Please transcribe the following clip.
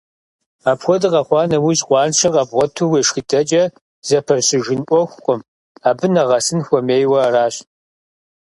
Апхуэдэ къэхъуа нэужь, къуаншэр къэбгъуэту уешхыдэкӀэ зэпэщыжын Ӏуэхукъым, абы нэгъэсын хуэмейуэ аращ.